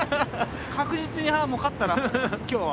確実にああもう勝ったなって今日は。